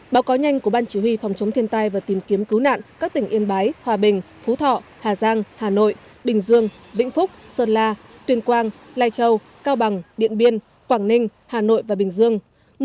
báo cáo nhanh của ban chỉ huy phòng chống thiên tai và tìm kiếm cứu nạn các tỉnh yên bái hòa bình phú thọ hà giang hà nội bình dương vĩnh phúc sơn la tuyền quang lai châu cao bằng điện biên quảng ninh hà nội và bình dương